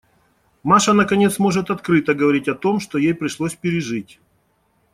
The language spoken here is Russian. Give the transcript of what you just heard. Маша, наконец, может открыто говорить о том, что ей пришлось пережить.